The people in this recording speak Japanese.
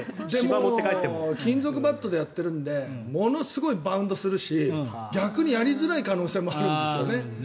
金属バットでやってるんでものすごいバウンドするし逆にやりづらい可能性もあるんですよね。